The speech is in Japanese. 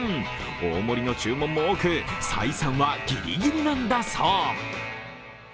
大盛の注文も多く、採算はギリギリなんだそう。